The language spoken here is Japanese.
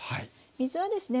水はですね